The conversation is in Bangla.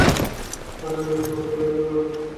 আজ, আমি খাও ইয়াই জাতীয় উদ্যানে প্রশিক্ষণ দিচ্ছি।